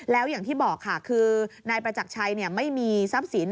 แล้วอย่างที่บอกค่ะคือนายประจักรชัยไม่มีทรัพย์สิน